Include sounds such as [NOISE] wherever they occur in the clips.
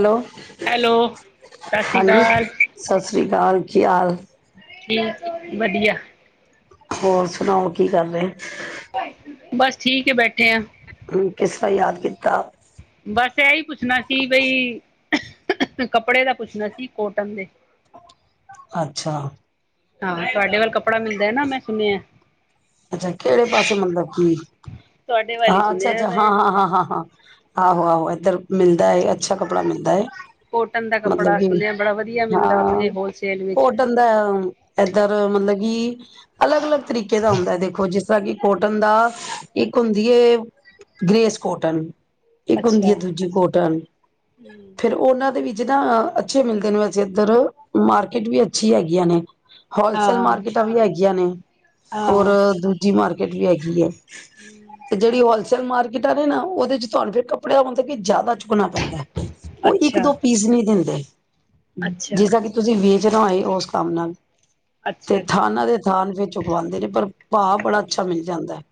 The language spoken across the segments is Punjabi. ਹੈਲੋ ਹੈਲੋ ਸਤਿ ਸ਼੍ਰੀ ਹਾਂਜੀ ਅਕਾਲ ਸਤਿ ਸ਼੍ਰੀ ਅਕਾਲ ਕੀ ਹਾਲ ਠੀਕ ਬੜੀਆ ਹੋਰ ਸੁਣਾਓ ਕੀ ਕਰ ਰਹੇ ਬਸ ਠੀਕ ਹੈ ਬੈਠੇ ਆ ਹੂੰ ਕਿਸ ਤਰ੍ਹਾਂ ਯਾਦ ਕੀਤਾ ਬਸ ਇਹੀ ਪੁੱਛਣਾ ਸੀ ਬਈ ਕੱਪੜੇ ਦਾ ਪੁੱਛਣਾ ਸੀ ਕੋਟਨ ਦੇ ਅੱਛਾ ਹਾਂ ਤੁਹਾਡੇ ਵੱਲ ਕੱਪੜਾ ਮਿਲ ਦਾ ਨਾ ਮੈਂ ਸੁਣਿਆ ਅੱਛਾ ਕਿਹੜੇ ਪਾਸੇ ਮਤਲਬ ਕਿ ਤੁਹਾਡੇ ਵੱਲ ਹੀ ਹਾਂ ਅੱਛਾ ਸੁਣਿਆ ਅੱਛਾ ਮੈਂ ਹਾਂ ਹਾਂ ਹਾਂ ਹਾਂ ਹਾਂ ਆਹੋ ਆਹੋ ਇਧਰ ਮਿਲਦਾ ਹੈ ਅੱਛਾ ਕੱਪੜਾ ਮਿਲਦਾ ਹੈ ਕੋਟਨ ਦਾ ਕੱਪੜਾ ਮਤਲਬ ਕਿ ਸੁਣਿਆ ਬੜਾ ਵਧੀਆ ਮਿਲਦਾ ਹਾਂ ਉੱਥੇ ਹੋਲਸੇਲ ਵਿੱਚ ਕੋਟਨ ਦਾ ਇੱਧਰ ਮਤਲਬ ਜੀ ਅਲੱਗ ਅਲੱਗ ਤਰੀਕੇ ਦਾ ਹੁੰ ਦੇਖੋ ਜਿਸ ਤਰ੍ਹਾਂ ਕਿ ਕੋਟਨ ਦਾ ਇੱਕ ਹੁੰਦੀ ਹੈ ਗ੍ਰੇਸ ਕੋਟਨ ਇੱਕ ਹੁੰਦੀ ਅੱਛਾ ਹੈ ਦੂਜੀ ਕੋਟਨ ਫੇਰ ਉਹਨਾਂ ਦੇ ਵਿੱਚ ਜਿੱਦਾਂ ਅੱਛੇ ਮਿਲਦੇ ਨੇ ਵੈਸੇ ਇੱਧਰ ਮਾਰਕੀਟ ਵੀ ਅੱਛੀ ਹੈਗੀਆਂ ਨੇ। ਹੋਲਸੇਲ ਹਾਂ ਮਾਰਕੀਟਾਂ ਵੀ ਹੈਗੀਆਂ ਨੇ। ਹੋਰ ਹਾਂ ਦੂਜੀ ਮਾਰਕ ਕਿਟ ਵੀ ਹੈਗੀ ਹੈ। ਤੇ ਜਿਹੜੀ ਹੋਲ ਸਲ ਮਾਰਕੀਟਾਂ ਨੇ ਨਾ ਉਹਦੇ ਚ ਤੁਹਾਨੂੰ ਫਿਰ ਕੱਪੜਾ ਮਤਲਬ ਕਿ ਜਿਆਦਾ ਚੁੱਕਣਾ ਪੈਂਦਾ ਦਾ ਉਹ ਇੱਕ ਅੱਛਾ ਦੋ ਪੀਸ ਨਹੀਂ ਦਿੰਦੇ। ਅੱਛਾ ਜਿਸ ਤਰਾ ਕਿ ਤੁਸੀਂ ਵੇਚਨਾ ਹੋਏ ਉਸ ਕੰਮ ਨਾਲ ਤੇ ਅੱਛਾ ਅੱਛਾ ਥਾਨਾ ਦੇ ਥਾਨ ਫੇਰ ਚੁਕਵਾਉਂਦੇ ਨੇ। ਪਰ ਭਾਵ ਬੜਾ ਅੱਛਾ ਮਿਲ ਜਾਂਦਾ ਹੈ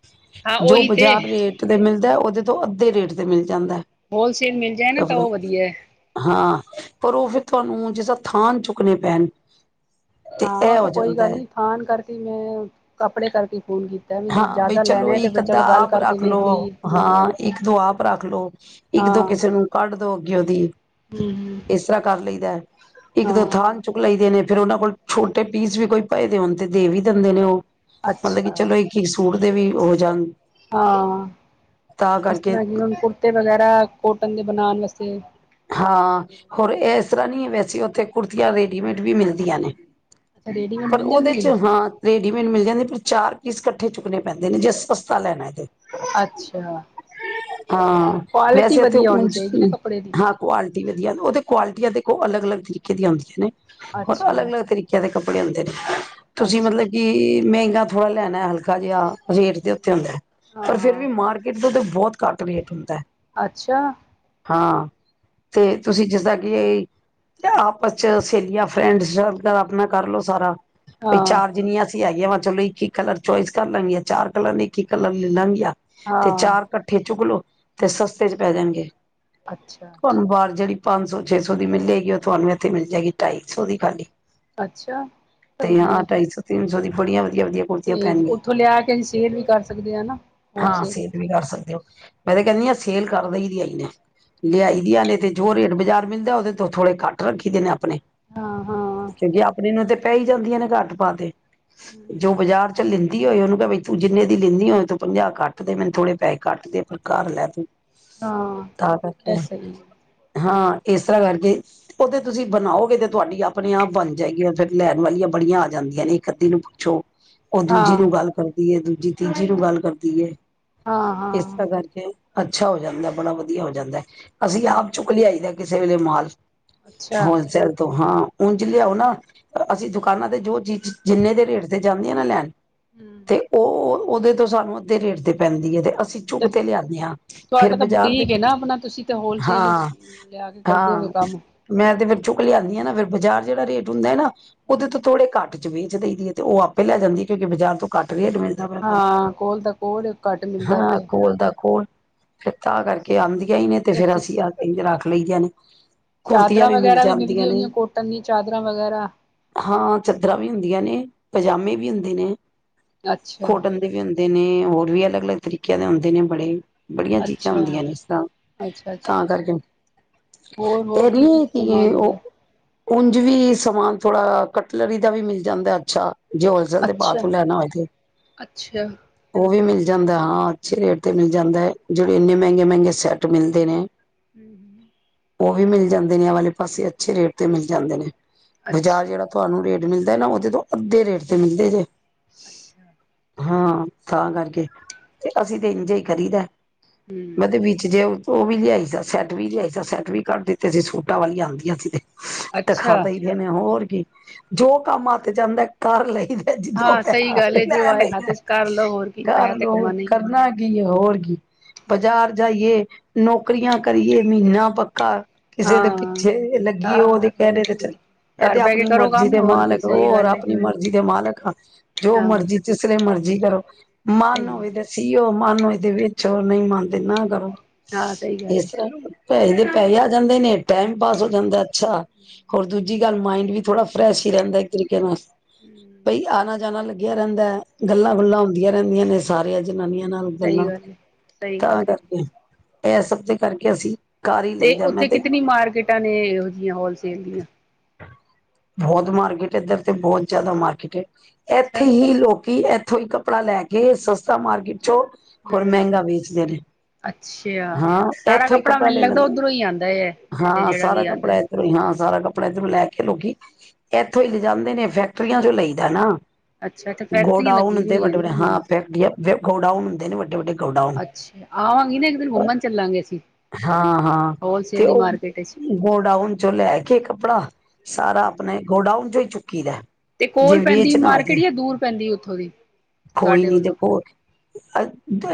ਹਾਂ ਜੋ ਉਹੀ ਤੇ ਬਾਜ਼ਾਰ ਰੇਟ ਤੇ ਮਿਲਦਾ ਉਹਦੇ ਤੋਂ ਅੱਧੇ ਰੇਟ ਤੇ ਮਿਲ। ਜਾਂਦਾ ਹੈ ਹੋਲਸੇਲ ਮਿਲ ਜਾਏ ਨਾ ਤਾਂ ਕੱਪੜਾ। ਉਹ ਵਧੀਆ ਐ। ਹਾਂ ਪਰ ਉਹ ਫਿਰ ਤੁਹਾਨੂੰ ਜਿਸਦਾ ਥਾਂਨ ਚੁੱਕਣੇ ਪੈਣ। ਹਾਂ ਇਹ ਉਹ ਤੇ ਹੋ ਕੋਈ ਜਾਂਦਾ ਗੱਲ ਹੈ ਨੀ ਥਾਨ ਕਰਕੇ ਮੈਂ ਕੱਪੜੇ ਕਰਕੇ ਫੋਨ ਕੀਤਾ ਵੀ ਜੇ ਹਾਂ ਬਈ ਜ਼ਿਆਦਾ ਚਲੋ ਲੈਣਾ ਹੈ ਤੇ ਇੱਕ ਫਿਰ ਅੱਧਾ ਚਲੋ ਗੱਲ ਆਪ ਕਰਕੇ ਰੱਖ ਵੇਖ ਲੋ ਲਈਏ ਹਾਂ ਇੱਕ ਦੋ ਆਪ ਰੱਖ ਲੋ ਇੱਕ ਦੋ ਹਾਂ ਕਿਸੇ ਨੂੰ ਕੱਢ ਦੋ ਅੱਗੇ ਉਹਦੀ ਹੂੰ ਹੂੰ ਇਸ ਤਰ੍ਹਾਂ ਕਰ ਲਈਦਾ ਇੱਕ ਦੋ ਹਾਂ ਥਾਨ ਚੁੱਕ ਲਈਦੇ ਨੇ। ਫੇਰ ਉਹਨਾਂ ਕੋਲ ਛੋਟੇ ਪੀਸ ਵੀ ਕੋਈ ਪਏ ਦੇ ਹੋਣ ਤੇ ਦੇ ਵੀ ਦਿੰਦੇ ਨੇ ਉਹ। ਮਤਲਬ ਕਿ ਅੱਛਾ। ਚਲੋ ਇੱਕ ਇੱਕ ਸੂਟ ਦੇ ਵੀ ਹੋ ਜਾਣ। ਹਾਂ ਤਾਂ ਇਸ ਕਰਕੇ ਤਰ੍ਹਾਂ ਜੇ ਹੁਣ ਕੁੜਤੇ ਵਗੈਰਾ ਕੋਟਨ ਦੇ ਬਣਾਉਣ ਵਾਸਤੇ ਹਾਂ ਹੋਰ ਏਸ ਤਰ੍ਹਾਂ ਨੀ ਵੈਸੇ ਉੱਥੇ ਕੁੜਤੀਆਂ ਰੈਡੀਮੇਡ ਵੀ ਮਿਲ ਦੀਆਂ ਨੇ ਅੱਛਾ ਰੇਡੀਮੇਡ ਪਰ ਮਿਲ ਉਹਦੇ ਜਾਂਦੀ ਹੈ ਚ ਹਾਂ ਰੇਡੀਮੇਡ ਮਿਲ ਜਾਂਦੇ ਚਾਰ ਪੀਸ ਇਕੱਠੇ ਚੁੱਕਣੇ ਪੈਂਦੇ ਨੇ ਜੇ ਸਸਤਾ ਲੈਣਾ ਏ ਤੇ। ਅੱਛਾ। ਹਾਂ ਕੁਆਲਿਟੀ ਵੈਸੇ ਇੱਥੇ ਵਧੀਆ ਹੋਣੀ ਉਜ ਚਾਹੀਦੀ ਨਾ ਕੱਪੜੇ ਦੀ ਹਾਂ ਕੁਆਲਿਟੀ ਵਧੀਆ ਉਹਦੇ ਕੁਆਲਿਟੀਆਂ ਤੇ ਉਹ ਅਲੱਗ ਅਲੱਗ ਤਰੀਕੇ ਦੀਆਂ ਹੁੰਦੀਆਂ ਨੇ। ਹੋਰ ਅੱਛਾ ਅਲੱਗ ਅਲੱਗ ਤਰੀਕਿਆਂ ਦੇ ਕੱਪੜੇ ਹੁੰਦੇ ਨੇ ਤੁਸੀ ਅੱਛਾ ਮਤਲਬ ਅੱਛਾ ਕਿ ਮਹਿੰਗਾ ਥੋੜਾ ਲੈਣਾ ਹਲਕਾ ਜਿਹਾ। ਰੇਟ ਦੇ ਉੱਤੇ ਹੁੰਦਾ ਹੈ। ਪਰ ਹਾਂ ਫਿਰ ਵੀ ਹਾਂ ਮਾਰਕੀਟ ਤੋਂ ਤਾਂ ਬਹੁਤ ਘੱਟ ਰੇਟ ਹੁੰਦਾ ਹੈ ਅੱਛਾ ਹਾਂ। ਤੇ ਤੁਸੀਂ ਜਿਸਦਾ ਕਿ ਇਹ ਆਪਸ ਚ ਸਹੇਲੀਆਂ ਫਰੈਂਡ ਆਪਣਾ ਕਰਲੋ ਸਾਰਾ ਤੇ ਹਾਂ ਚਾਰ ਜਾਨੀਆਂ ਅਸੀਂ ਹੈਗੀਆਂ ਵਾ ਚਲੋ ਇੱਕ ਹੀ ਕਲਰ ਚੋਇਸ ਕਰ ਲਾਂਗੇ ਆ ਚਾਰ ਕਲਰ ਨੇ ਇੱਕ ਹੀ ਕਲਰ ਲੈ ਲਾਂਗੀਆਂ। ਤੇ ਹਾਂ ਚਾਰ ਕੱਠੇ ਚੁਕਲੋ ਤੇ ਸਸਤੇ ਚ ਪੈ ਜਾਣਗੇ। ਅੱਛਾ ਤੁਹਾਨੂੰ ਬਾਹਰ ਜਿਹੜੀ ਪੰਜ ਸੌ ਛੇ ਸੌ ਦੀ ਮਿਲ ਜਾਏਗੀ ਉਹ ਤੁਹਾਨੂੰ ਇੱਥੇ ਮਿਲ ਜਾਏਗੀ ਢਾਈ ਸੌ ਦੀ ਖਾਲੀ ਅੱਛਾ ਤੇ ਹਾ ਵਧੀਆ ਢਾਈ ਸੌ ਤਿੰਨ ਸੌ ਦੀ ਬੜੀਆਂ ਵਧੀਆ ਵਧੀਆ ਕੁੜਤੀਆਂ ਤੇ ਪੈਣਗੀਆਂ ਉੱਥੋਂ ਲਿਆ ਕੇ ਅਸੀਂ ਸੇਲ ਵੀ ਕਰ ਸਕਦੇ ਹਾ ਨਾ ਹਾਂ ਹੋਲਸੇਲ ਸੇਲ ਵੀ ਕਰ ਸਕਦੇ ਹੋ। ਮੈਂ ਤੇ ਕਹਿੰਦੀ ਆ ਸੇਲ ਕਰ ਦੇਈ ਦੀ ਆਈ ਨੇ‌ ਹੂੰ ਜਾਨੇ ਦੇ ਜੋ ਰੇਟ ਬਾਜ਼ਾਰ ਮਿਲਦਾ, ਉਹਦੇ ਤੋਂ ਥੋੜੇ ਘੱਟ ਰੱਖੀ ਦੇ ਨੇ ਆਪ। ਆਪਣੇ ਹਾਂ ਹਾਂ ਕਿਉਕਿ ਆਪਣੇ ਨੂੰ ਤੇ ਪੈ ਈ ਜਾਂਦੀਆਂ ਨੇ ਘੱਟ ਪਾ ਤੇ। ਜੋ ਬਾਜ਼ਾਰ ਚੱਲੇ। ਕਿ ਹੋਇਆ ਤੂੰ ਜਿੰਨੇ ਦੀ ਲੈਂਦੀ ਐ, ਤੂੰ ਪੰਜਾਹ ਕੱਟ ਦੇ, ਮੈਨੂੰ ਥੋੜੇ ਪੈਸੇ ਕੱਟ ਦੇ ਪਰ ਕਰ ਲੈ ਤੂੰ! ਹਾਂ ਤਾਂ ਕਰਕੇ ਦਸ [INAUDIBLE] ਹਾਂ, ਇਸ ਤਰ੍ਹਾਂ ਕਰਕੇ ਉਹ ਤੇ ਤੁਸੀਂ ਬਣਾਓਗੇ ਤੇ ਤੁਹਾਡੀ ਆਪਣੇ ਆਪ ਬਣ ਜਾਏਗੀ, ਫੇਿਰ ਲੈਣ ਵਾਲੀਆਂ ਬੜੀਆਂ ਆ ਜਾਂਦੀਆਂ ਨੇ ਇਕ ਅੱਧੀ ਨੂੰ ਪੁਛੋ। ਉਹ ਦੂਜੀ ਹਾਂ ਨੂੰ ਗੱਲ ਕਰਦੀ ਹੈ ਦੂ ਜੀ ਤੀਜੀ ਨੂੰ ਗੱਲ ਕਰਦੀਏ। ਹਾਂ ਇਸ ਹਾਂ ਤਰਾਂ ਕਰਕੇ ਅੱਛਾ ਹੋ ਜਾਂਦਾ, ਬੜਾ ਵਧੀਆ ਹੋ ਜਾਂਦਾ ਹੈ। ਅਸੀਂ ਆਪ ਹਮ ਚੁੱਕ ਲਿਆਈ ਦਾ। ਕਿਸੇ ਵੇਲੇ ਮਾਲ - ਅੱਛਾ ਹੋਲ ਸੇਲ ਤੋਂ ਹਾਂ। ਉਂਝ ਲਿਆਓ ਨਾ, ਅਸੀਂ ਦੁਕਾਨਾਂ ਤੇ ਜੋ ਚੀਜ਼ ਜਿੰਨੇ ਦੇ ਰੇਟ ਜਾਦੀ ਏ ਨਾ ਲੈਣ। ਹਮ ਤੇ ਉਹ ਉਹਦੇ ਤੋਂ, ਸਾਨੂੰ ਅੱਧੇ ਰੇਟ ਤੇ ਪੈਂਦੀ ਹੈਤਾ ਆ - ਅਸੀਂ ਝੁਗ ਤੇ ਲਿਆਣੇ ਆ ਫਿਰ ਬਾਜ਼ਾਰ ਵਿਚ ਤੇ ਹੌਲਸੇਲ ਚ, ਲਿਆ ਕੇ ਕਰਦੇ ਨੇ ਕੰਮ। ਮੈਂ ਤੇ ਫਿਰ ਚੁੱਕ ਲਿਆਉਦੀਾਂ ਨਾ ਫਿਰ ਬਾਜ਼ਾਰ ਜਿਹੜਾ ਰੇਟ ਹੁੰਦਾ ਏ ਨਾ ਉਹਦੇ ਤੋਂ ਥੋੜੇ ਘੱਟ। ਵੇਚ ਦੇਈ ਦੀ ਏ ਤੇ ਉਹ ਆਪੇ ਲੈ ਜਾਂਦੀ ਏ, ਕਉਂਕਿ ਬਾਜ਼ਾਰ ਤੋਂ ਘੱਟ। ਰੇਟ ਮਿਲਦਾ ਪ ਤੁਾਨੂੰ ਹਾਂ ਕੋਲ ਤਾਂ ਕੋਲ ਘੱਟ ਮਿਲਦਾ ਹਾਂ ਪਿਆ ਕੋੋਲ ਦਾ ਕੋੋਲ [INAUDIBLE] ਫਿਰ ਤਾ ਕਰਕੇ ਆਂਦਾਈਆਂ ਏ ਸਹੀ ਨੇ। ਤੇ ਫੇਰ ਇੱਥੇ ਅਸੀਂ ਆ ਗਈ। ਤੇ ਰਖ ਲਈ ਦੀ ਕੁੁਰਤੀਆਂ, ਚਾਦਰਾਂ ਵੀ ਮਿਲ ਵਗੈਰਾ ਜਾਂਦੀਆ ਮਿਲਦੀ ਨੇ, ਹੋਗੀਆਂ ਕੋਟਨ ਦੀ ਚਾਦਰਾਂ ਵਗੈਰਾ ਹਾ ਚਦਰਾ ਵੀ ਹੁੰਦੀਆਂ ਨੇ, ਪਜਾਮੀ ਵੀ ਹੁੰਦੇ ਨੇ, ਅੱਛਾ ਕਾਟਨ ਦੇ ਵੀ ਹੁੰਦੇ ਨੇ। ਹੋਰ ਵੀ ਅਲੱਗ, ਅਲੱਨਾ ਤਰੀਕਿਆਂ ਦੇ ਹੁੰਦੇ ਨੇ ਬੜੇ। ਬੜੀਆਂ ਚੀਜ਼ਾਂ ਅੱਛਾ ਹੁੰਦੀਆਂ ਨੇ ਇਸ ਤਰ੍ਹਾਂ ਅੱਛਾ, ਅੱਛਾ, ਤਾਂ ਅੱਛਾ ਕਰਕੇ ਹੋਰ ਹੋਰ ਇਹ ਕੀ ਕੀ ਨੀ ਕਿ ਸਮਾਨ ਉਹ ਹੁੰਦਾ ਉਂਝ ਵੀ ਸਮਾਨ ਥੋੜ੍ਹਾ ਕਟਲਰੀ ਦਾ ਵੀ ਮਿਲ ਜਾਂ [INAUDIBLE] ਜੇ ਹੋਲਸੇਲ ਦੇ ਅੱਛਾ ਬਾਥਰੂਮ ਜਾਣਾ ਹੋਏ ਤੇ ਅੱਛਾ ਓ ਵੀ ਮਿਲ ਜਾਂਦਾ ਹਾਂ, ਅੱਛੇ ਰੇਟ ਤੇ ਮਿਲਦਾ ਐ, ਜਿਹੇ ਇੰਨੇ ਮਹਿੰਗੇ ਮਹਿੰਗੇ ਸੈੱਟ ਮਿਲਦੇ ਨੇ ਹੂ ਹੂ ਔ ਵੀ ਮਿਲ ਜਾਂਦੇ ਨੇ, ਐ ਵਾਲੇ ਪਾਸੇ ਅੱਛੇ ਰੇਟ ਤੇ ਮਿਲ ਜਾਂਦੇ ਨੇ। ਬਾਜ਼ਾਰ ਅੱਛਾ ਜਿਹੜਾ ਤੁਹਾਨੂੰ ਰੇਟ ਮਿਲਦਾ ਨਾ ਉਹਦੇ ਤੋਂ ਅੱਧੇ ਰੇਟ ਤੇ ਮਿਲਦੇ ਜੇ। ਅੱਛਾ ਹਾਂ ਤਾਂ ਕਰਕੇ, ਤੇ ਅਸੀਂ ਤੇ ਇੰਝੇ ਹੀ ਕਰੀਦਾ ਹੈ। ਹੂੰ ਮੈਂ ਤੇ ਵਿੱਚ ਜੇ ਔ ਉਹ ਵੀ ਲਿਆਈ ਦਾ ਸੈੱਟ ਵੀ ਲਿਆਈ ਸਾਂ ਸੈਟ ਵੀ ਕੱਢ ਦਿੱਤੇ ਸੀ ਸੂਟਾਂ ਵਾਲੀਆਂ ਆਉਂਦੀਆਂ ਸੀ ਤੇ। ਤੇ ਅੱਛਾ ਖਾਦੇ ਹੀ ਗਏ ਨੇ ਹੋਰ ਜੋ ਕੰਮ ਆਖ ਜਾਂਦਾ, ਕਰ ਲਈ। ਜਿੱਦੋਂ ਹਾਂ ਪਿਆ ਸਹੀ ਗੱਲ ਹੈ ਜੋ ਲੈ ਆਏ ਹੱਥ ਲਈਦਾ ਚ ਕਰ ਲਓ ਹੋਰ ਕੀ ਘਰ ਪੈਸਾ ਤੇ ਲੋ ਕਮਾਉਣਾ ਹੀ ਕਰਨਾ ਕੀ ਤੇ ਹੋਰ ਕੀ, ਬਜ਼ਾਰ ਜਾਈਏ ਨੌਕਰੀਆਂ ਕਰੀਏ ਮਹੀਨਾ ਪੱਕਾ ਕਿਸੇ ਦੇ ਹਾਂ ਪਿੱਛੇ ਲੱਗੀ ਔਦੇ ਹਾਂ ਹੋਰ ਕਹਿਣੇ ਤੇ ਕੀ ਚਲ, ਇਹ ਘਰ ਤੇ ਬਹਿ ਕੇ ਆਪਣੀ ਕਰੋ ਮਰਜ਼ੀ ਕੰਮ ਦੇ ਹੋਰ ਕੀ ਮਾਲਕ ਸਹੀ ਹੋਰ ਗੱਲ ਹੈ ਆਪਣੀ ਮਰਜ਼ੀ ਦੇ ਮਾਲਕ ਹਾਂ ਜੋ ਹਾਂ ਮਰਜ਼ੀ ਤਿਸਰੇ ਮਰਜ਼ੀ। ਜੀ ਕਰੋ ਮਨ ਸਹੀ ਹੋਵੇ ਗੱਲ ਤਾਂ ਸਹੀ ਹੋਵਾਂ। ਮਨ ਹੋਏ ਤੇ ਵਿੱਚ ਨਹੀਂ ਮੰਨਦੇ ਨਾ ਦਰਦ ਹਾਂ ਸਹੀ ਗੱਲ ਹੈ ਇਸ ਤਰਹ ਪੈਸੇ, ਪੈਸੇ ਆ ਜਾਂਦੇ ਨੇ ਟਾਈਮ ਪਾਸ ਹੋ ਜਾਂਦਾ ਐ ਅੱਛਾ ਹੋਰ ਦੂਜੀ ਗੱਲ ਮਾਇੰਡ ਵੀ ਥੋੜਾ ਫਰੈਸ਼ ਹੀ ਰਹਿੰਦਾ, ਇੱਕ ਤਰੀਕੇ ਨਾਲ। ਬਈ ਆਣਾ ਜਾਣਾ ਲੱ ਗਯਾ ਰੈਂਦਾ ਐ। ਗੱਲਾਂ ਹਾਂ ਗੁੱਲਾਂ ਹੁੰਦੀਆਂ ਰਹਿੰਦੀਆਂ ਨੇ ਸਾਰੀਆਂ ਹਾਂ ਜਨਾਨੀਆਂ ਨਾਲ ਸਹੀ ਗੱਲਾਂ, ਗੱਲ ਹੈ ਸਹੀ ਤਾਂ ਗੱਲ ਹੈ ਕਰਕੇ। ਇਹ ਸਭ ਦੇ ਕਰਕੇ ਅਸੀਂ ਕਰ ਹੀ ਤੇ ਲਈਦਾ ਮੈਂ ਉੱਥੇ ਤੇ ਕਿਤਨੀ ਮਾਰਕੀਟਾਂ ਨੇ ਇਹੋ ਜਿਹੀਆਂ ਹੋਲਸੇਲ ਦੀਆਂ। ਬਹੁਤ ਮਾਰਕੀਟ, ਈਧਰ ਤੇ ਬਹੁਤ ਜਿਆਦਾ ਮਾਰਕੀਟ ਐ। ਇੱਥੇ ਅੱਛਾ ਹੀ ਲੋਕੀ ਐਥੋਂ ਹੀ ਕੱਪੜਾ ਲੈ ਕੇ ਸਸਤਾ ਮਾਰਕੀਟ ਚ ਹੋਰ ਹੂੰ ਮਹਿੰਗਾ ਵੇਚਦੇ ਨੇ ਅੱਛਾ ਹਾਂ ਸਾਰਾ ਇੱਥੋਂ ਹੀ ਕੱਪੜਾ ਮੈਨੂੰ ਲੈ ਲੱਗਦਾ ਲੈਂਦੇ ਔਧਰੋਂ ਹੀ ਆਉਂਦਾ ਹੈ, ਇਥੇ ਹਾਂ ਜਿਹੜਾ ਸਾਰਾ ਵੀ ਆਉਂਦਾ ਕੱਪੜਾ ਐ। ਇੱਧਰੋਂ ਹੀ ਹਾਂ ਸਾਰਾ ਕੱਪੜਾ ਇੱਧਰੋਂ ਲੈ ਕੇ ਲੋਕੀ, ਇੱਥੋਂ ਹੀ ਲਿ ਜਾਂਦੇ ਨੇ ਫੈਕਟਰੀਆਂ ਚੋਂ ਲਈ ਦਾ ਨਾ। ਅੱਛਾ ਇੱਥੇ ਫੈਕਟਰੀਆਂ ਲੱਗੀ ਗੋਡਾਊਨ ਤੇ ਦੀਆਂ ਵਡੇ ਵਡੇ, ਹਾਂ, ਪੈ ਗੋਡਾਊਨ ਹੁੰਦੇ ਨੇ ਵੱਡੇ ਵੱਡੇ। ਗੋਡਾਊਨ ਅੱਛਾ ਆਵਾਂਗੀ ਨਾ, ਫੇਰ ਘੁੰਉਮਾਣ ਚੱਲਾਂਗਾ ਅਸੀਂ, ਹਾਂ-ਹਾਂ, ਹੋਲਸੇਲ ਤੇ ਦੀ ਉਹ ਮਾਰਕੀਟ ਵਿੱਚ ਗੋਡਾਊਨ ਚੋਂ ਲੈ ਕੇ ਕੱਪੜਾ ਸਾਰਾ ਹੂੰ, ਆਪਣੇ ਗੋਡਾਊਨ ਚੋਂ ਹੀ ਚੁੱਕ ਕੀ ਦਾ, ਤੇ ਜੇ ਕੋਲ ਪੈਂਦੀ ਵੇਚਣਾ ਹੋਏ ਮਾਰਕੀਟ ਤੇ ਜਾਂ ਦੂਰ ਪੈਂਦੀ ਉੱਥੋਂ ਦੀ ਕੋਈ ਤੁਹਾਡੇ ਨੀ ਵੱਲੋਂ, ਦੇਖੋ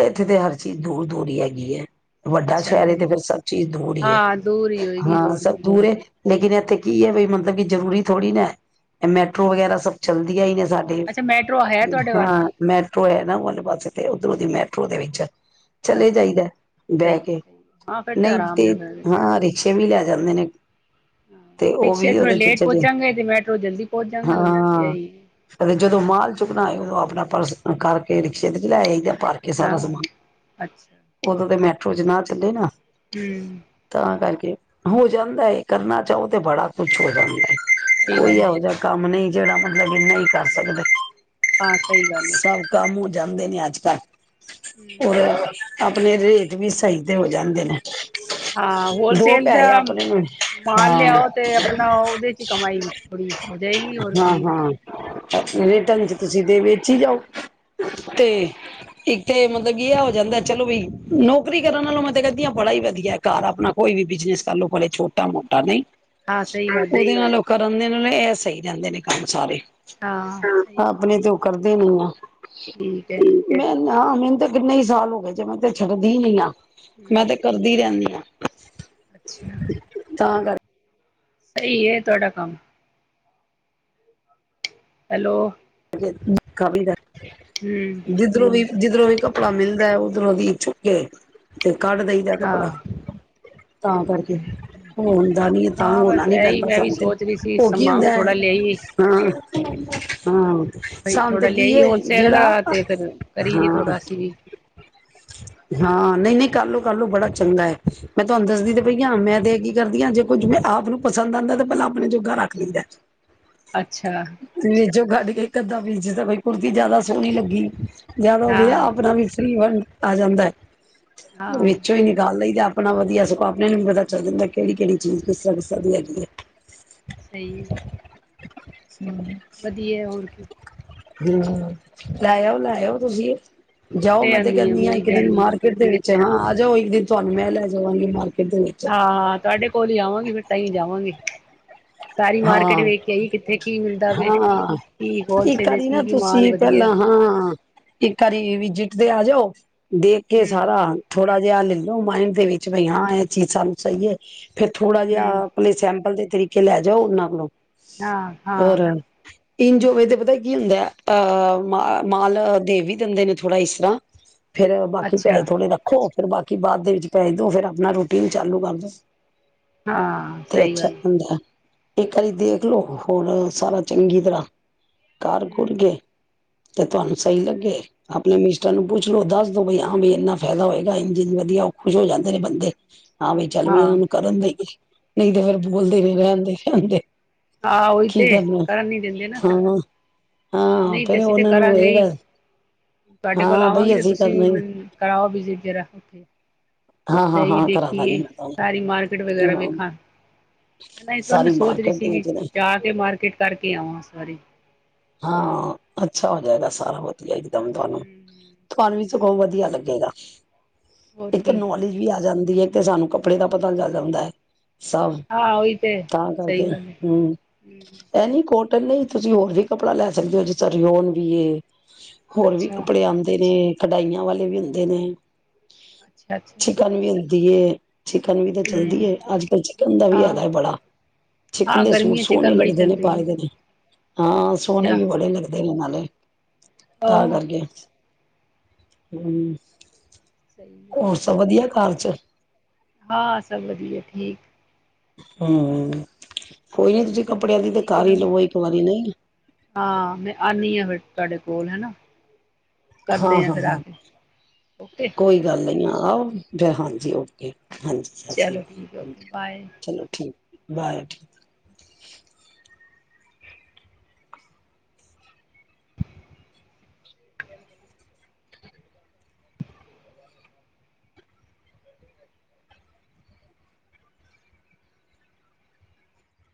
ਇੱਥੇ ਤੇ ਹਰ ਚੀਜ਼ ਦੂਰ-ਦੂਰ ਹੀ ਹੈਗੀ ਹੈ। ਵੱਡਾ, ਅੱਛਾ ਸ਼ਹਿਰੇ ਦੂਰ ਤੇ ਫਿਰ ਸਭ ਚੀਜ਼ ਦੂਰ ਹੀ ਹੈ ਹਾਂ ਦੂਰ ਹੀ ਹੋਏਗੀ ਹਾਂ ਹੋਰ ਸਭ ਕੀ ਦੂਰ ਐ, ਲੇਕਿਨ ਇੱਥੇ ਕੀ ਹੈ ਬ ਮਤਲਬ ਕਿ ਜ਼ਰੂਰੀ ਥੋੜ੍ਹੀ ਨਾ, ਇਹ ਹਮ ਮੈਟਰੋ ਵਗੈਰਾ ਸਭ ਚੱਲਦੀਆਂ ਹੀ ਨੇ, ਸਾਡੇ ਅੱਛਾ ਮੈਟਰੋ ਹੈ ਤੁਹਾਡੇ ਵੱਲ ਹਾਂ ਮੈਟਰੋ ਹੈ ਨਾ ਉਹ ਵਾਲੇ ਪਾਸੇ ਤੇ, ਇਧਰੋਂ ਦੀ ਮੈਟਰੋ ਦੇ ਵਿੱਚ ਚਲੇ ਅੱਛਾ ਜਾਈਦਾ ਬਹਿ ਸਹੀ ਹੈ ਕੇ, ਸਹੀ ਹੈ। ਹਾਂ ਫਿਰ ਤਾਂ ਨਹੀਂ ਆਰਾਮ ਹੀ ਤੇ ਕਰ ਹਾਂ ਰਿਕਸ਼ਾ ਕਿ ਵੀ ਲੈ ਜਾਂਦੇ ਨੇ, ਤੇ ਉਹ ਰਿਕਸ਼ੇ ਵੀ ਥੋੜੇ ਉਹਦੇ ਚ ਲੇਟ ਚਲੇ ਪਹੁੰਚਾਂਗੇ ਤੇ ਮੈਟਰੋ ਜਲਦੀ ਪਹੁੰਚ ਜਾਂਗੇ ਹੋਰ ਕੀ ਹੈ ਹਾਂ ਹੀ ਅਤੇ ਜਦੋਂ ਮਾਲ ਚੁੱਕਣਾਏ ਆਪਣਾ ਪਰਸ ਕਰਕੇ ਰਿਕਸ਼ੇ ਤੇ ਚ ਲੈ ਆਗਾ। ਭਰ ਕੇ ਸਾਰਾ ਹਾਂ ਸਮਾਨ ਅੱਛਾ ਉਦੋਂ ਤੇ ਮੈਂ, ਜਨਾ ਕੱਲੇ ਨਾ, ਹੂੰ, ਤਾਂ ਕਰਕੇ ਹੋ ਜਾਂਦਾ ਹੈ ਕਰਨਾ ਚਾਹੋ ਤੇ ਬੜਾ ਕੁਛ ਹੋ ਜਾਂਦਾ ਹੈ। ਸਹੀ ਕੋਈ ਗੱਲ ਇਹੋ ਜਿਹਾ ਕੰਮ ਨਹੀਂ ਜਿਹੜਾ ਮਤਲਬ ਕਿ ਨਹੀਂ ਕਰ ਸਕਦੇ। ਹਾਂ ਸਹੀ ਗੱਲ ਹੈ। ਸਭ ਕੰਮ ਜਾਂਦੇ ਨੇ ਅੱਜ ਕੱਲ੍ਹ ਔਰ ਆ ਆਪਣੇ ਰੇਟ ਵੀ ਸਹੀ ਤੇ ਹੋ ਜਾਂਦੇ ਨੇ, ਹਾਂ ਦੋ ਹੋਲਸੇਲ ਦਾ ਪੈਸੇ ਆਪਣੇ ਨੂੰ ਮਾਲ ਹਾਂ ਲਿਆਓ ਤੇ ਆਪਣਾ ਉਹਦੇ ਚ ਕਮਾਈ ਥੋੜੀ ਹੋ ਜਾਏਗੀ ਹੋਰ ਹਾਂ ਕੀ, ਹਾਂ ਜੀ ਜਾਓ, ਹੂੰ, ਤੇ ਇੱਕ ਤੇ ਮਤਲਬ ਕੀ ਇਹ ਹੋ ਜਾਂਦਾ ਚਲੋ ਬਈ ਨੌਕਰੀ ਕਰਨ ਨਾਲੋਂ ਮੈਂ ਤਾਂ ਕਹਦੀ ਹਾਂ ਬੜਾ ਹੀ ਵਧੀਆ ਘਰ ਆਪਣਾ ਕੋਈ ਵੀ ਬਿਜਨਸ ਕਰ ਲੋ ਛੋਟਾ ਮੋਟਾ ਨਹੀਂ। ਹਾਂ, ਸਹੀ ਗੱਲ ਏ। ਉਹਦੇ ਨਾਲੋਂ ਕਰਨ ਦੇ ਇਹ ਸਹੀ ਰਹਿੰਦੇ ਨੇ ਕੰਮ ਸਾਰੇ। ਹਾਂ ਸਹੀ ਗੱਲ ਆਪਣੇ ਤੋਂ ਕਰਦੀ ਨ ਆ ਹੈ ਠੀਕ ਹੈ ਤੇ ਮੈਂ ਹਾਂ ਮੈਨੂੰ ਤੇ ਕਿੰਨੇ ਹੀ ਸਾਲ ਹੋ ਗਏ ਜੇ, ਮੈਂ ਤੇ ਛੱਡਦੀ ਹੀ ਨੀ ਆਂ। ਮੈਂ ਤੇ ਹੂੰ। ਕਰਦੀ ਰਹਿੰਦੀ ਹਾਂ। ਅੱਛਾ। ਤਾਂ ਗ ਸਹੀ ਏ, ਤੁਹਾਡਾ ਕੰਮ। ਹੈਲੋ। ਨ ਕਾ ਵੀ ਕਰ ਹੂੰ [INAUDIBLE] ਜਿਧਰੂ ਵੀ ਜਿਧਰੋਂ ਵੀ ਕੱਪੜਾ ਮਿਲਦਾ ਹੈ, ਉਧਰੋਂ ਦੀ ਛੁਪ ਕੇ, ਤੇ ਕੱਢ ਦਈਦੈ ਕਪੜਾ, ਹਾਂ। ਤਾਂ ਕਰਕੇ ਹੋਣ ਦਾ ਨੀ ਤਾਂ ਹਾਂ ਹੋਣਾ ਬਸ ਨੀ ਇਹੀ ਪੈਂਦਾ, ਮੈਂ ਸ ਵੀ ਤੇ ਸੋਚ ਰਹੀ ਸੀ ਉਹ ਕੀ ਸਮਾਂ ਹੁੰਦਾ ਥੋੜਾ ਲਿਆਈਏ। ਹਾਂ ਹਮ। ਹਾਂ। ਬਈ ਸੰਤ ਥੋੜਾ ਕੀ ਲਿਆਈ ਏ, ਹੋਲਸੇਲ ਜਿਹੜਾ ਦਾ ਤੇ ਫਿਰ ਕਰੀਏ ਹਾਂ ਥੋੜਾ ਅਸੀਂ ਵੀ। ਹਾਂ-' ਨਹੀਂ, ਨਹੀਂ ਕਾਰਲੋ, ਕਾਰਲੋ ਬੜਾ ਚੰਗਾ ਐ। ਮੈਂ ਤੁਹਾਨੂੰ ਦੱਸਦੀ ਤੇ ਹਾਂ, ਪਈ ਹ, ਮੈਂ ਦੇ ਹੈਗੀ ਕਰਦੀਆਂ, ਜੇ ਕੋਝ ਜਿਵੇਂ ਆਪ ਨੂੰ ਪਸਦ ਆਉਂਦਾ, ਤਾਂ ਪਹਿਲਾਂ ਆਪਣੇ ਜੋਗਾ ਰੱਖ ਲੈਂਦੈ। ਅੱਛਾ। ਕੱਡ ਕੇ ਇਕ ਅੱਦਾ ਬੀਜਦਾ, ਬ ਕੁੜਤੀ ਜਿਆਦਾ ਸੋਹਣੀ ਲੱਗੀ। ਜ਼ਿਆਦਾ ਵਧਆ ਹਾਂ ਆਪਣਾ ਵੀ ਵੰਡ ਆ ਜਾਂਦਾ ਹੈ ਹਾਂ। ਵਿੱਚੋਂ ਹੀ ਨਿਕਾਲ ਲਈਦਾ ਆਪਣਾ ਵਧੀਆ ਸੁੋਂਾ ਆਪਣੇ ਨੂੰ ਵੀ ਪਤਾ ਚੱਲ ਜਾਂਦਾ, ਕਿਹੜੀ ਕਿਹੜੀ ਚੀਜ਼ ਕਿਸ ਤਰ੍ਹਾਂ ਕਿਸ ਤ੍ਹਾਂ ਦੀ ਹੈਗੀ ਹੈ। ਸਹੀ। ਹਮ- ਵਧੀਆ, ਹੋਰ ਕੀ ਹਮ, ਲੈਓ ਲੈਓ ਤੁਸੀਂ। ਜਾਓ, ਲੈ ਮੈਂ ਤੇ ਆਨੀ ਆ ਕਹਿੰਦੀ ਹਾਂ, ਵੀ ਇੱਕ ਦਿਨ ਜਾਂਦੀ ਮਾਰਕੀਟ ਦੇ ਵਿੱਚ। ਹਾਂ, ਆ ਜਾਓ ਇੱਕ ਦਿਨ, ਤੁਹਾਨੂੰ ਮੈਂ ਲੈ ਜਾਵਾਂਗੀ ਨਾਲ। ਹਾਂ, ਤੁਹਾਡੇ ਕੋਲ ਹੀ ਆਵਾਂਗੀ, ਫਿਰ ਤਾਂਹੀ ਜਾਵਾਂਗੀ। ਹਾਂ, ਕਿੱਥੇ ਕੀ ਮਿਲਦਾ ਵੇ ਹਾਂ ਕੀ ਇਕ ਹੋਲਸੇਲ ਵਿੱਚ ਆਰੀ ਨਾ ਕੀ ਕੀ ਮਾਲ ਤੁਸੀਂ, ਵਧੀਆ ਪਹਿਲਾਂ ਹਾਂ, ਇਕ ਆਰੀ ਜਿੱਤਦੇ ਆ ਜਾਓ। ਦੇਖ ਕੇ ਹਮ ਸਾਰਾ ਥੋੜਾ ਜਿਹਾ ਲੈਲੋ ਮਾਇੰਡ ਦੇ ਵਿੱਚ, ਬਈ ਹਾਂ ਇਹ ਚੀਜ਼ ਸਾਨੂੰ ਸਹੀ ਹੈ। ਫੇਰ ਥੋੜਾ ਜਿਹਾ ਹਮ ਆਪਣੇ ਸੈਂਪਲ ਦੇ ਤਰੀਕੇ ਖਲਾ, ਜਾਓ ਉਨਾਂ ਕੋਲੋਂ, ਹਾਂ-ਹਾਂ, ਇੰਝੋਵੇਂ ਤੇ ਪਤਾ ਕੀ ਹੁੰਦਾ ਹੈ। ਅ ਮ ਮਾਲ ਦੇਵ ਵੀ ਦਿੰਦੇ ਨੇ ਥੋੜ੍ਹਾ ਇਸ ਤਰ੍ਹਾਂ ਫੇਰ ਬਾਕੀ ਪੈਸੇ ਅੱਛਾ ਥੋੜੇ ਰੱਖੋ। ਫਿਰ ਬਾਕੀ ਬਾਅਦ ਦੇ ਵਿੱਚ ਪੈਜ ਦੋ ਫਿਰ ਆਪਣਾ ਰੋਟੀ ਵੀ ਚਾਲੂ ਕਰ ਦਿਉ। ਹਾਂ ਸਹੀ ਗੱਲ ਐ, ਇੱਕ ਵਾਰੀ ਦੇਖਲੋ ਹੋਰ ਸਾਰਾ ਚੰਗੀ ਤਰ੍ਹਾਂ ਕਾਰ ਕੁਰ ਹਮ ਗੇ। ਤੇ ਤੁਹਾਨੂੰ ਸਹੀ ਲੱਗੇ। ਆਪਣੇ ਮਿਸਟਰ ਨੂੰ ਪੁੱਛ ਲੋੋ ਦੱਸ ਦੋ ਬਈ ਹਾਂ ਬ ਇੰਨਾ ਫਾਇਦਾ ਹੋਏਗਾ ਆ ਵਧੀਆ ਉਹ ਖੁਸ਼ ਹੋ ਜਾਂਦੇ ਨੇ ਬੰਦੇ, ਹਾਂ ਵੀ ਚੱਲ ਵੀ ਇਹਨਾਂ ਹਾਂ ਨੂੰ ਕਰਨ ਦੇਈਏ ਨਹੀਂ ਤੇ ਫੇਰ ਬੋਲਦੇ ਨੇ ਰਹਿਣ ਦੇ ਕਹਿੰਦੇ, ਆਹੋ ਉਹੀ ਤੇ ਕਰਨ ਨੀ ਦਿੰਦੇ ਨਾ ਹਾਂ ਹਾਂ ਨਹੀਂ ਤੇ ਫਿਰ ਅਸੀਂ ਤੇ ਉਹਨਾਂ ਨੂੰ ਕਰਾਂਗੇ ਇਹ ਹੀ ਗੱਲ, ਤੁਹਾਡੇ ਕੋਲ ਹਾਂ ਆਵਾਂਗੀ ਬਈ ਤੇ ਅਸੀਂ ਤੁਸੀਂ ਕਰਨਾ ਹੀ ਮੈਨੁੰ ਕਰਾਓ, ਜੀ ਜਰਾ ਕੇ, ਹਾਂ ਹਾਂ ਜਾਈਏ ਹਾਂ ਕਰਾ ਦਾਂਗੇ ਦੇਖੀਏ ਮੈਂ ਸਾਰੀ ਮਾਰਕਿਟ ਵਗੈਰਾ ਤੁਹਾਨੂੰ ਵੇਖਾਂ, ਨਾ ਇਸ ਬਾਰ ਮੈਂ ਸਾਰੀ ਸੋਚ ਰਹੀ ਮਾਰਕੀਟ ਦੇ ਸੀਗੀ ਵਿੱਚ ਨੇ ਜਾ ਕੇ ਮਾਰਕੀਟ ਕਰਕੇ ਆਵਾਂ ਇਸ ਬਾਰੇ, [UNINTELLIGIBLE] ਹਾਂ ਅੱਛਾ ਹੋ ਜਾਏਗਾ, ਸਾਰਾ ਕੁਛ ਇਕਦਮ ਤੁਹਾਨੂੰ ਤੁਹਾਨੂੰ ਵੀ ਸਗੋਂ ਵਧੀਆ ਲੱਗੇਗਾ। [UNINTELLIGIBLE] ਹੋਰ ਇੱਕ ਤਾਂ ਕੀ ਨੌਲੇਜ ਵੀ ਆ ਜਾਂਦਾ। ਤੇ ਸਾਨੂੰ ਕੱਪੜੇ ਦਾ ਪਤਾ ਚਲ ਜਾਂਦਾ ਐ। ਸਭ ਹਾਂ ਉਹੀ ਤੇ ਤਾਂ ਸਹੀ ਕਰਕੇ ਗੱਲ ਹੈ ਹੂੰ ਇਹਨੀ ਕੋਟ ਨਹੀਂ ਤੁਸੀਂ ਹੋਰ ਦੇਖ, ਕੱਪੜਾ ਲੈ ਸਕਦੇ ਹੋ ਜੇ ਤਾੜੀ ਓਨ ਵੀ ਏ। ਹੋਰ ਵੀ ਅੱਛਾ ਕੱਪੜੇ ਆਦੇ ਨੇ ਕਡਾਈਆਂ ਵਾਲੇ ਵੀ ਹੁੰਦੇ ਨੇ ਅੱਛਾ ਅੱਛਾ ਚਿਕਨ ਵੀ ਹੁੰਦੀ ਏ। ਚਿਕਨ ਵੀ ਤਾਂ ਚੱਲਦੀ ਹਮ ਹੈ ਅੱਜ ਕੱਲ ਚਿਕਨ ਦਾ ਵੀ ਹਾਂ ਹੈਗਾ ਬੜਾ ਚਿਕਨ ਹਾਂ ਦੇ ਸੂਟ ਗਰਮੀਆਂ ਸੋਹਣੇ ਚਿਕਨ ਬੜੀ ਲੱਗਦੇ ਚੱਲ ਨੇ ਰਹੀ ਪਾਏ ਹੈ ਦੇ ਨੇ। ਹਾਂ ਸੋਨੇ ਅੱਛਾ ਵੀ ਬੜੇ ਲੱਗਦੇ ਨੇ ਨਾਲ ਹੂੰ ਤਾਂ ਆਹੋ ਕਰਕੇ ਹੂੰ ਸਹੀ ਹੈ ਹੋਰ ਸਭ ਵਧੀਆ ਘਰ 'ਚ ਹਾਂ ਸਭ ਵਧੀਆ ਠੀਕ। ਹੂੰ ਕੋਈ ਨੀ ਤੁਸੀਂ ਚਲੋ ਕੱਪੜਿਆਂ ਦੀ ਤੇ ਠੀਕ ਹੈ ਕਰ ਹੀ ਮੈਮ ਲਵੋ ਇੱਕ ਵਾਰੀ ਨਹੀਂ ਹਾਂ ਮੈਂ ਆਉਂਦੀ ਹਾਂ ਫਿਰ ਤੁਹਾਡੇ ਕੋਲ ਹਨਾ। ਹਾਂ ਹਾਂ ਹਾਂ ਓਕੇ ਕੋਈ ਗੱਲ ਨੀ ਆ। ਆਹੋ ਹਾਂਜੀ ਓਕੇ। ਹਾਂਜੀ ਸਤਿ ਸ਼੍ਰੀ ਚਲੋ ਠੀਕ ਹੈ ਅਕਾਲ ਓਕੇ ਬਾਏ ਚਲੋ ਠੀਕ ਐ। ਬਏ ਠੀਕ। [INAUDIBLE]